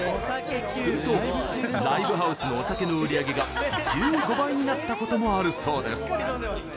すると、ライブハウスのお酒の売り上げが１５倍になったこともあるそうです。